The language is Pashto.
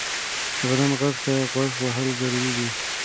د بدن غږ ته غوږ وهل ضروري دی.